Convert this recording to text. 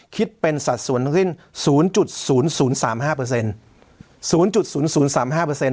คิดเป็นสัดส่วนทั้งที่ศูนย์จุดศูนย์ศูนย์สามห้าเปอร์เซ็นต์ศูนย์จุดศูนย์ศูนย์สามห้าเปอร์เซ็นต์